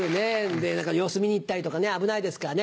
で様子見に行ったりとか危ないですからね。